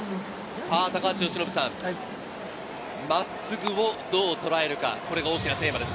高橋由伸さん、真っすぐをどうとらえるか、これが大きなテーマで